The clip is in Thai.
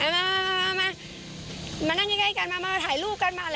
มามานั่งใกล้กันมาถ่ายรูปกันมา